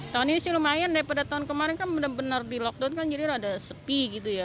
tahun ini sih lumayan daripada tahun kemarin kan benar benar di lockdown kan jadi roda sepi gitu ya